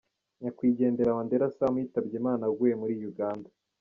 Nyakwigendera Wandera Sam yitabye Imana aguye muri Uganda.